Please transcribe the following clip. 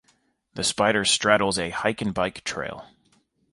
The spider straddles a hike and bike trail.